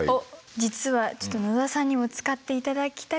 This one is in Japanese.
実はちょっと野田さんにも使っていただきたくて。